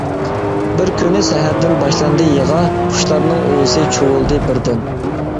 بىر كۈنى سەھەردىن باشلاندى يىغا، قۇشلارنىڭ ئۇۋىسى چۇۋۇلدى بىردىن.